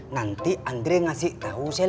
nanti andre ngasih tahu saya